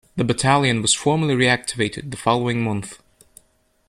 The Battalion was formally reactivated the following month.